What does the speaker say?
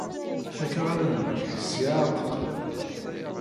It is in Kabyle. Fak aɣanen-nnek seg-a ar d-qqlen.